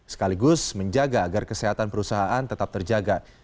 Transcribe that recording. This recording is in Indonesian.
sekaligus menjaga agar kesehatan perusahaan tetap terjaga